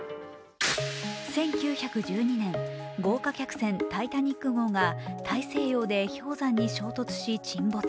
１９１２年、豪華客船「タイタニック」号が大西洋で氷山に衝突し、沈没。